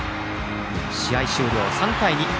試合終了、３対２。